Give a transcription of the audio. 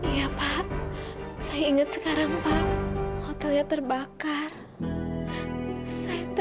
ibu kan udah gak ada teh